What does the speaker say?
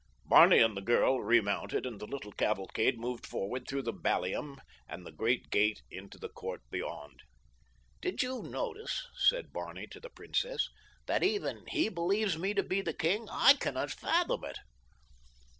Barney and the girl remounted and the little cavalcade moved forward through the ballium and the great gate into the court beyond. "Did you notice," said Barney to the princess, "that even he believes me to be the king? I cannot fathom it."